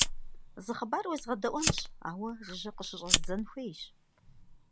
Зы хъыбар уезгъэдэӀуэнщ, ауэ жыжьэ къыщыщӀэздзэн хуейщ.